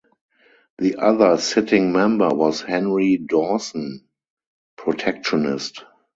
The other sitting member was Henry Dawson (Protectionist).